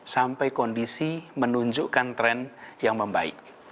sampai kondisi menunjukkan tren yang membaik